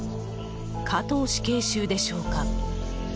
加藤死刑囚でしょうか。